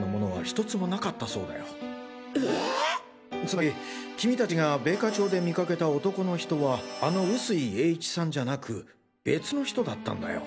つまり君たちが米花町で見かけた男の人はあの臼井栄一さんじゃなく別の人だったんだよ。